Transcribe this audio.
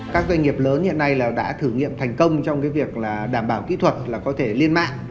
các doanh nghiệp lớn hiện nay đã thử nghiệm thành công trong cái việc là đảm bảo kỹ thuật là có thể liên mạng